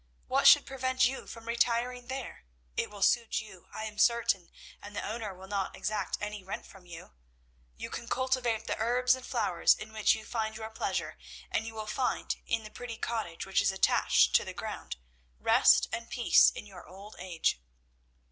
What should prevent you from retiring there? It will suit you, I am certain, and the owner will not exact any rent from you. You can cultivate the herbs and flowers in which you find your pleasure, and you will find, in the pretty cottage which is attached to the ground, rest and peace in your old age."